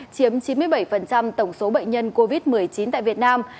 chiếm chín mươi bảy tổng số bệnh nhân covid một mươi chín tại việt nam